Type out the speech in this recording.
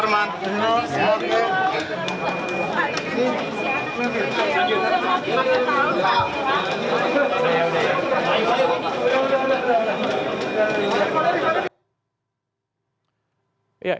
terima kasih pak